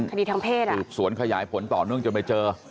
คดีทางเพศสืบสวนขยายผลต่อเนื่องจนไปเจอ